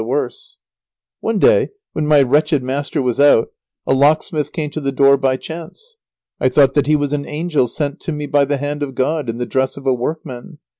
] One day when my wretched master was out, a locksmith came to the door by chance. I thought that he was an angel sent to me by the hand of God, in the dress of a workman.